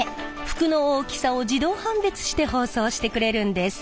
服の大きさを自動判別して包装してくれるんです。